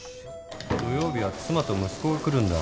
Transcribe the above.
土曜日は妻と息子が来るんだ。